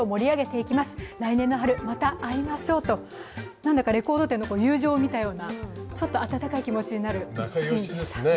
なんだかレコード店の友情を見たようなちょっと温かい気持ちになりましたね。